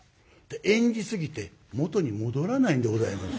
演じすぎて元に戻らないんでございます。